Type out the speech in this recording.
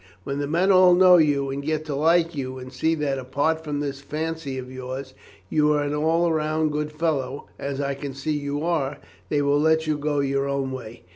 When the men all know you and get to like you, and see that, apart from this fancy of yours, you are an all round good fellow, as I can see you are, they will let you go your own way.